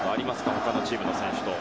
他のチームの選手と。